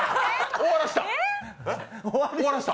終わらした？